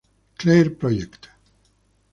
Clair Project".